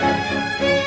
ya udah mbak